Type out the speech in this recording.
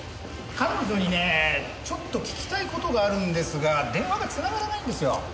彼女にねちょっと聞きたい事があるんですが電話が繋がらないんですよ。